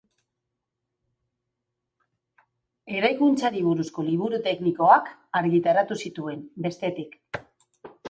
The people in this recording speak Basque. Eraikuntzari buruzko liburu teknikoak argitaratu zituen, bestetik.